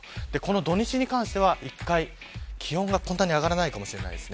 土日に関しては１回こんなに上がらないかもしれません。